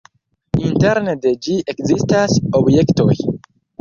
Interne de ĝi ekzistas objektoj.